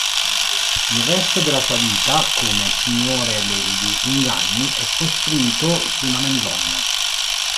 Il resto della sua vita come Signore degli Inganni è costruito su una menzogna.